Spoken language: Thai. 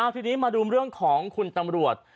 ทีนี้มาดูเรื่องของคุณตำรวจ